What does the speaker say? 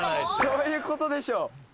そういうことでしょ。